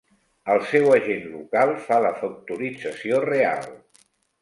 El seu agent local fa la factorització real.